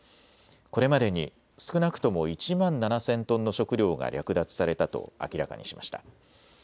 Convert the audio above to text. これまでに少なくとも１万７０００トンの食料が略奪されたと明らかにしました。